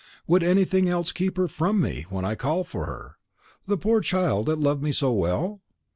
Would anything else keep her from me when I call for her, the poor child that loved me so well?